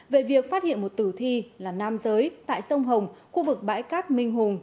về việc phát hiện một tử thi là nam giới tại sông hồng khu vực bãi cát minh hùng